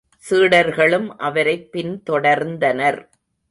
சீடர்களும் அவரைப் பின் தொடர்ந்தனர்.